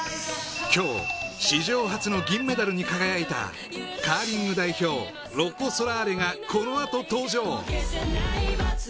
今日、史上初の銀メダルに輝いたカーリング代表ロコ・ソラーレがこのあと、登場！